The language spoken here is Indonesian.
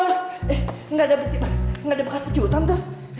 eh gak ada bekas kecutan tuh